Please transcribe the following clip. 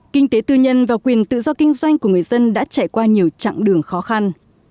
kinh tế tư nhân và quyền tự do kinh doanh của người dân đã trải qua nhiều chặng đường khó khăn